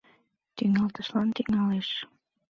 Тӱҥалтышлан тӱҥалеш: